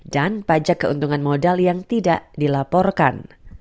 dan pajak keuntungan modal yang tidak dilaporkan